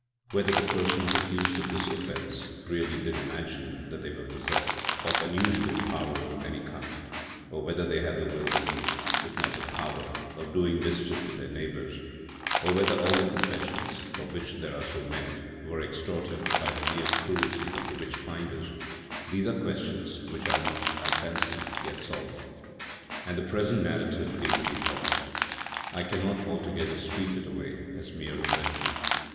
Whether the persons accused of this offence really did imagine that they were possessed of unusual powers of any kind; or whether they had the will at least, if not the power, of doing mischief to their neighbours; or whether all the confessions, of which there are so many, were extorted by the mere cruelty of the witch finders â€" these are questions which are not, I fancy, yet solved. And the, present narrative gives me pause. I cannot altogether, sweep it away as mere invention.